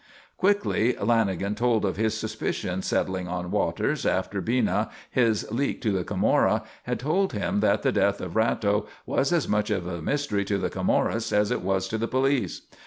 Quickly Lanagan told of his suspicions settling on Waters after Bina, his "leak" to the Camorra, had told him that the death of Ratto was as much of a mystery to the Camorrists as it was to the police.